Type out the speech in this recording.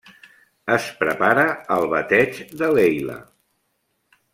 Es prepara el bateig de Leila.